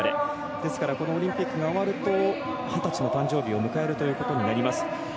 ですから、このオリンピックが終わると二十歳の誕生日を迎えることになります。